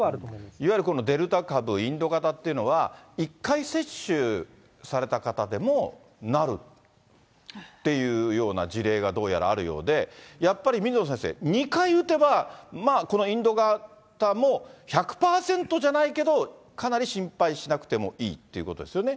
いわゆるこのデルタ株、インド型というのは、１回接種された方でもなるっていうような事例がどうやらあるようで、やっぱり水野先生、２回打てばこのインド型も、１００％じゃないけど、かなり心配しなくてもいいってことですよね？